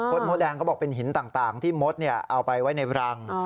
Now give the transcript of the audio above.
มดแดงเขาบอกเป็นหินต่างที่มดเอาไปไว้ในรัง